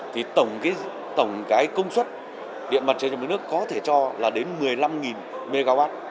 thì tổng cái công suất địa mặt trời trong nước có thể cho là đến một mươi năm mwp